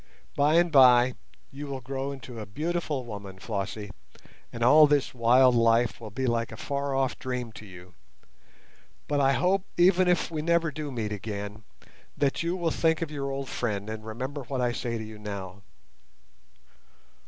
By and by you will grow into a beautiful woman, Flossie, and all this wild life will be like a far off dream to you; but I hope, even if we never do meet again, that you will think of your old friend and remember what I say to you now.